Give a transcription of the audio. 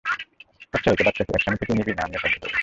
আচ্ছা, এতো বাচ্চা কি এক স্বামী থেকেই নিবি না আমিও সাহায্য করব?